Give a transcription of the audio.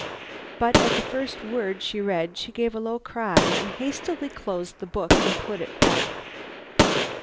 But at the first word she read she gave a low cry and hastily closed the book and put it back.